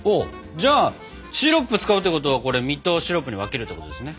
じゃあシロップ使うってことはこれ実とシロップに分けるってことですね？